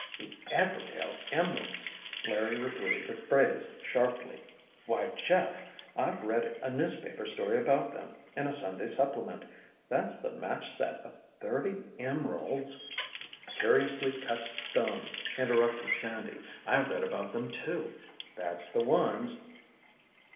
"The Everdail Emeralds!" Larry repeated the phrase sharply. "Why, Jeff! I've read a newspaper story about them, in a Sunday supplement. That's the matched set of thirty emeralds——" "Curiously cut stones," interrupted Sandy. "I read about them too!" "That's the ones."